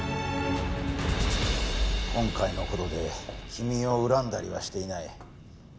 今回の事で君を恨んだりはしていない。